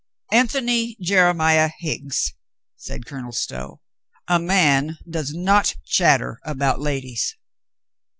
"Antony Jeremiah Higgs," said Colonel Stow, "a man does not chatter about ladies."